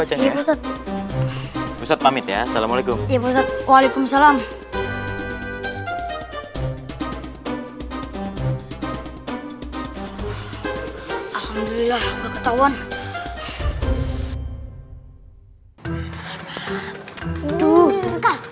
ya ustadz ustadz pamit ya assalamualaikum waalaikumsalam alhamdulillah ketahuan